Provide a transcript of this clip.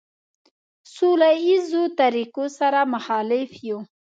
سوله ایزو طریقو سره مخالف یو.